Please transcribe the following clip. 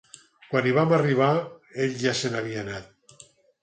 Quan hi vam arribar, ell ja se n'havia anat.